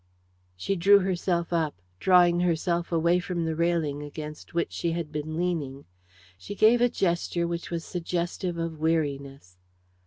She drew herself up, drawing herself away from the railing against which she had been leaning. She gave a gesture which was suggestive of weariness.